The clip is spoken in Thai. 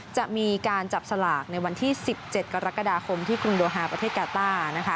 จะมีการจับสลากในวันที่๑๗กรกฎาคมที่กรุงโดฮาประเทศกาต้านะคะ